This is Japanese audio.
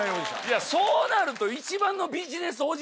いやそうなると。